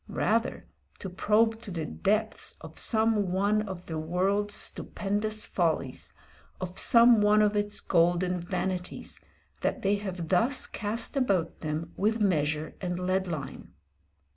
Rather, to probe to the depths of some one of the world's stupendous follies, of some one of its golden vanities, that they have thus cast about them with measure and lead line.